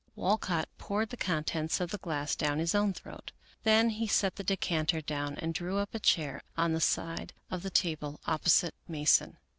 Walcott poured the contents of the glass down his own throat. Then he set the decanter down and drew up a chair on the side of the table opposite Mason.